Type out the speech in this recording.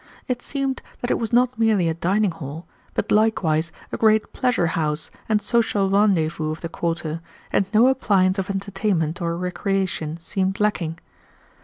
It seemed that it was not merely a dining hall, but likewise a great pleasure house and social rendezvous of the quarter, and no appliance of entertainment or recreation seemed lacking.